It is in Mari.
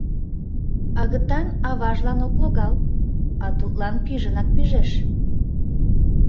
Агытан аважлан ок логал, а тудлан пижынак пижеш.